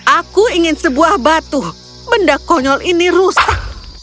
aku ingin sebuah batu benda konyol ini rusak